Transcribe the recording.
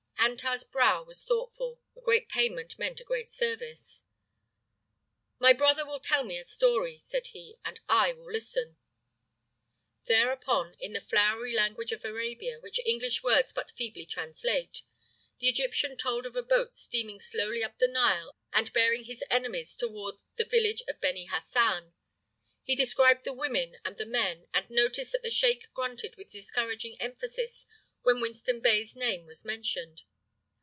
Antar's brow was thoughtful. A great payment meant a great service. "My brother will tell me a story," said he, "and I will listen." Thereupon, in the flowery language of Arabia, which English words but feebly translate, the Egyptian told of a boat steaming slowly up the Nile and bearing his enemies toward the villages of Beni Hassan. He described the women and the men, and noticed that the sheik grunted with discouraging emphasis when Winston Bey's name was mentioned.